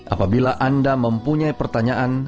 apabila anda mempunyai pertanyaan